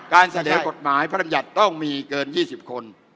การเสนอกฎหมายพระรำยัติต้องมีเกิน๒๐คน